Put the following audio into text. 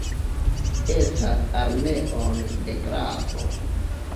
Estras armeon de grafo.